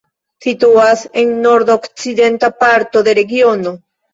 Situas en nordokcidenta parto de regiono.